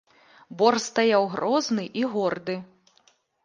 Бор стаяў грозны і горды.